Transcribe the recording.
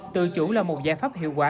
tự chủ là một giải pháp hiệu quả